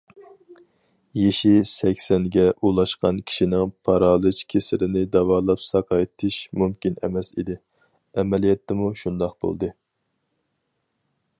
يېشى سەكسەنگە ئۇلاشقان كىشىنىڭ پارالىچ كېسىلىنى داۋالاپ ساقايتىش مۇمكىن ئەمەس ئىدى... ئەمەلىيەتتىمۇ شۇنداق بولدى.